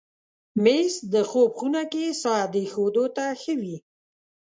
مېز د خوب خونه کې ساعت ایښودو ته ښه وي.